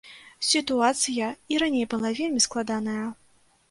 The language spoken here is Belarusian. Сітуацыя і раней была вельмі складаная.